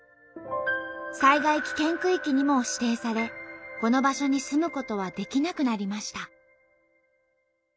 災害危険区域にも指定されこの場所に住むことはできなくなりました。